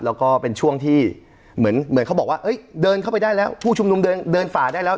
แล้วก็เป็นช่วงที่เหมือนเขาบอกว่าเดินเข้าไปได้แล้วผู้ชุมนุมเดินฝ่าได้แล้ว